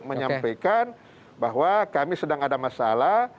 menyampaikan bahwa kami sedang ada masalah